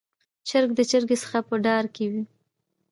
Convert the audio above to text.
چرګ د چرګې څخه په ډار کې و.